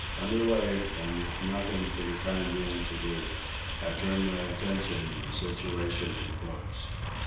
Under way, and with nothing for the time being to do, I turned my attention to the situation of the boats.